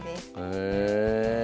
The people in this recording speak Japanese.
へえ。